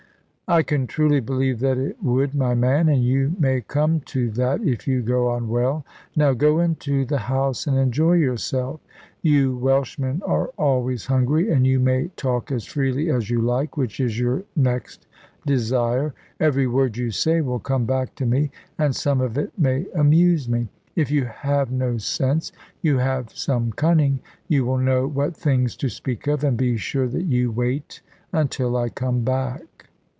"I can truly believe that it would, my man. And you may come to that, if you go on well. Now go into the house and enjoy yourself. You Welshmen are always hungry. And you may talk as freely as you like; which is your next desire. Every word you say will come back to me; and some of it may amuse me. If you have no sense you have some cunning. You will know what things to speak of. And be sure that you wait until I come back."